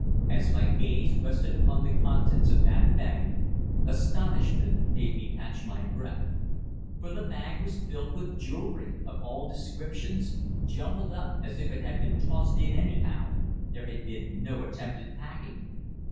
As my gaze rested upon the contents of that bag, astonishment made me catch my breath. For the bag was half filled with jewellery of all descriptions jumbled up as if it had been tossed in anyhow there had been no attempt at packing.